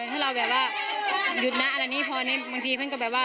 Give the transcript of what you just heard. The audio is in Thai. ถ้าเราแบบว่าหยุดนะอะไรนี่พอนี้บางทีเพื่อนก็แบบว่า